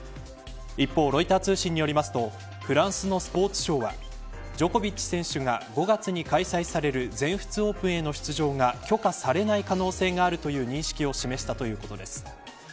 一方、ロイター通信によりますとフランスのスポーツ省はジョコビッチ選手が５月に開催される全仏オープンへの出場が許可されない可能性があるという認識を示したということです。